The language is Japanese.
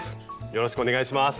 よろしくお願いします。